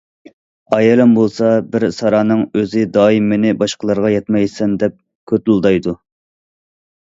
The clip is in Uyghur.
ئايالىم بولسا بىر ساراڭنىڭ ئۆزى، دائىم مېنى باشقىلارغا يەتمەيسەن دەپ كوتۇلدايدۇ.